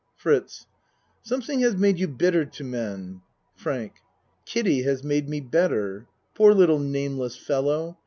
FRITZ Something has made you bitter to men. FRANK Kiddie has made me better. Poor little nameless fellow!